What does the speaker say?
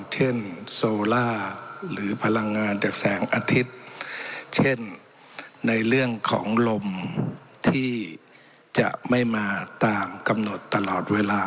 เช่นโซล่าหรือพลังงานจากแสงอาทิตย์เช่นในเรื่องของลมที่จะไม่มาตามกำหนดตลอดเวลา